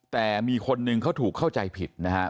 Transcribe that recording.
แต่มีคนนึงเขาถูกเข้าใจผิดนะฮะ